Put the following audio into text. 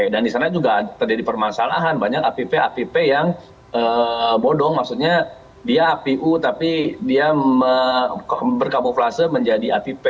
dan di sana juga terjadi permasalahan banyak app app yang bodong maksudnya dia apu tapi dia berkamuflase menjadi app